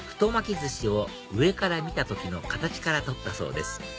寿司を上から見た時の形から取ったそうです